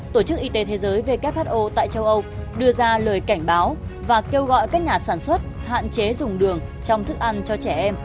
tổ chức y tế thế giới who tại châu âu đưa ra lời cảnh báo và kêu gọi các nhà sản xuất hạn chế dùng đường trong thức ăn cho trẻ em